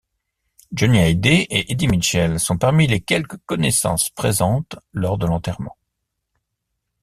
Johnny Hallyday et Eddy Mitchell sont parmi les quelques connaissances présentes lors de l’enterrement.